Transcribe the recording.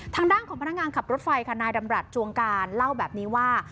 ทางด้านของพนักงานขับรถไฟค่ะนายดำรัฐจวงการเล่าแบบนี้ว่า